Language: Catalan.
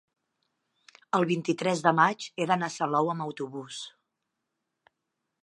el vint-i-tres de maig he d'anar a Salou amb autobús.